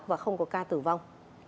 và không có ca tử vong